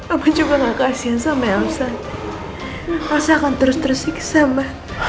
aku juga kasihan sama ya saya akan terus terus siksa sama